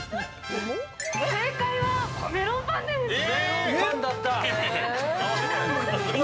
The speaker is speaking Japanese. ◆正解はメロンパンです！